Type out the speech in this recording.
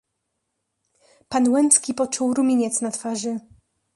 "Pan Łęcki poczuł rumieniec na twarzy."